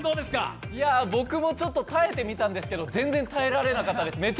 僕もちょっと耐えてみたんですけど、全然耐えられなかったです。